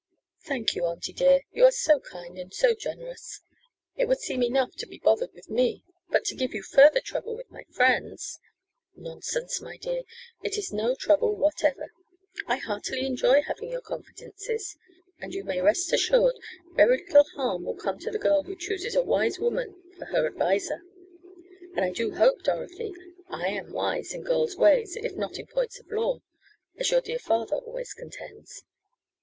"Thank you, auntie dear. You are so kind and so generous. It would seem enough to be bothered with me, but to give you further trouble with my friends " "Nonsense, my dear, it is no trouble whatever. I heartily enjoy having your confidences, and you may rest assured very little harm will come to the girl who chooses a wise woman for her adviser. And I do hope, Dorothy, I am wise in girls' ways if not in points of law, as your dear father always contends."